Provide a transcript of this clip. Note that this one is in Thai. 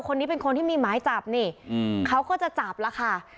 คนนี้เป็นคนที่มีหมายจับเขาก็จะจับละ